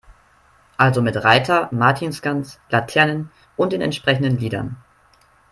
Also mit Reiter, Martinsgans, Laternen und den entsprechenden Liedern.